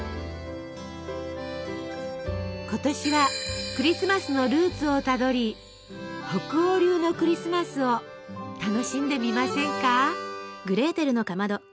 今年はクリスマスのルーツをたどり北欧流のクリスマスを楽しんでみませんか？